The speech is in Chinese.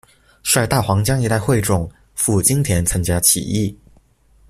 率大湟江一带会众赴金田参加起义。